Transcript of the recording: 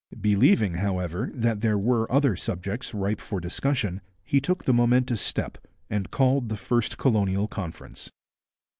Believing, however, that there were other subjects ripe for discussion, he took the momentous step, and called the first Colonial Conference.